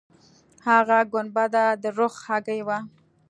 هغه ګنبده د رخ هګۍ وه.